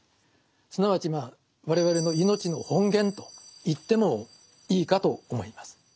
すなわちまあ我々の命の本源と言ってもいいかと思います。